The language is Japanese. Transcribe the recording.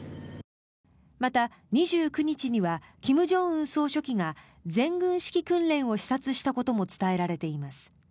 また、２９日には金正恩総書記が全軍指揮訓練を視察したことも伝えられています。